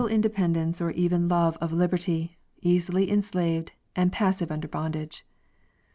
11 independence or even love of liberty, easily enslaved, and pas sive under bondage.